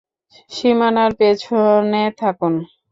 সীমানার পেছনে থাকুন।